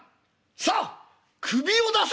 さあ首を出せ！」。